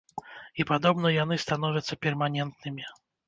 І, падобна, яны становяцца перманентнымі.